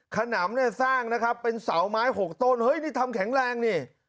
ขนำเนี่ยสร้างนะครับเป็นเสาไม้๖ต้นเฮ้ยนี่ทำแข็งแรงนี่